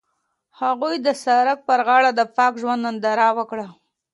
هغوی د سړک پر غاړه د پاک ژوند ننداره وکړه.